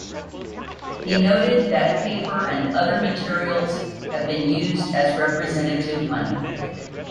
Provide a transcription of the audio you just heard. He noted that paper and other materials have been used as representative money.